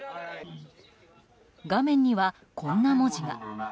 画面にはこんな文字が。